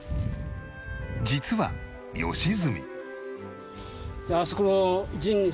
実は良純